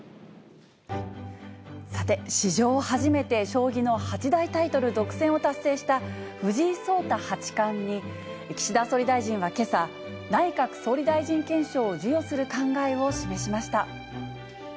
さて、史上初めて将棋の八大タイトル独占を達成した藤井聡太八冠に、岸田総理大臣はけさ、内閣総理大臣顕彰を授与する考えを示しました。